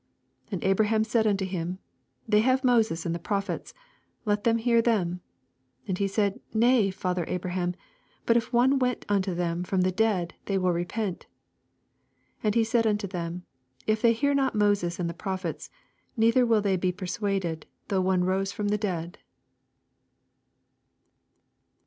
29 Abraham saith unto him, They have Moses and the prophets ; ^et them hear them. 30 And he said, Nay, father Abra* ham : but if one went unto them from the dead, they will repent. 31 And he said unto him, If they hear not Moses and the Prophets, neither will they be persuaded, thougli one rose from the dsad.